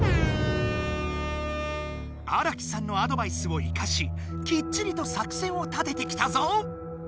荒木さんのアドバイスを生かしきっちりと作戦を立ててきたぞ！